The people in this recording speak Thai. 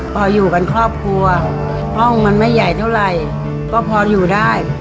พออยู่กันครอบครัวห้องมันไม่ใหญ่เท่าไหร่ก็พออยู่ได้